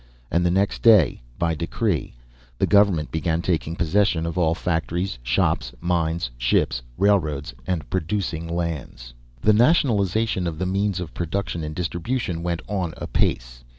And the next day, by decree, the government began taking possession of all factories, shops, mines, ships, railroads, and producing lands. The nationalization of the means of production and distribution went on apace.